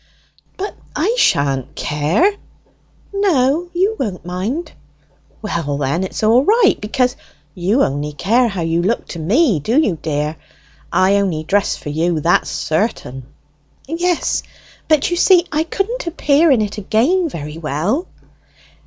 "But I shan't care." "No, you won't mind." "Well, then it's all right. Because you only care how you look to me, do you, dear? I only dress for you, that's certain." "Yes, but you see I couldn't appear in it again very well."